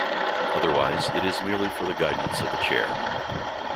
Otherwise, it is merely for the guidance of the chair.